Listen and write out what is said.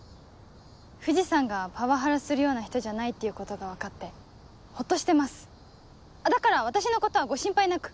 藤さんがパワハラするような人じゃないっていうことが分かってホッとしてますだから私のことはご心配なく。